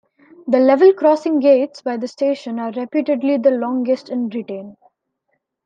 The level crossing gates by the station are reputedly the longest in Britain.